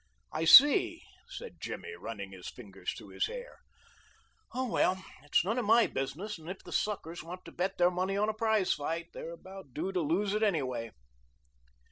"I see," said Jimmy, running his fingers through his hair. "Oh, well, it's none of my business, and if the suckers want to bet their money on a prize fight they're about due to lose it anyway."